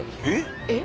えっ？